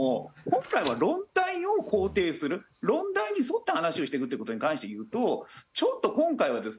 今回は論題を肯定する論題に沿った話をしていくっていう事に関して言うとちょっと今回はですね